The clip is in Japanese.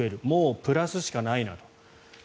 もうプラスしかないなと。